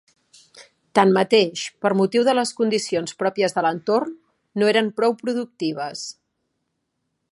Tanmateix, per motiu de les condicions pròpies de l'entorn, no eren prou productives.